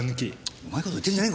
うまい事言ってんじゃねえ！